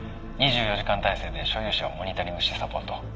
２４時間体制で所有者をモニタリングしてサポート。